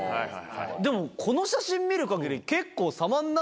でもこの写真見る限り。